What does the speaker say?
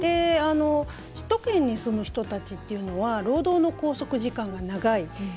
首都圏に住む人たちっていうのは労働の拘束時間が長い。